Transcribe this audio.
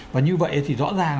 và như vậy thì rõ ràng